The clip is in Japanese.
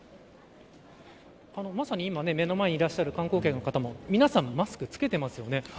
まさに今、目の前にいらっしゃる観光客の方も皆さん、マスクを着けていますよね。